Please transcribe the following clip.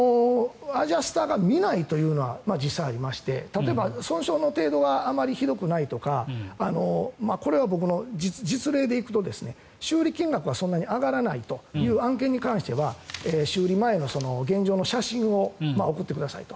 アジャスターが見ないというのは実際ありまして例えば損傷の程度があまりひどくないとかこれは僕の実例でいくと修理金額はそんなに上がらないという案件に関しては修理前の現状の写真を送ってくださいと。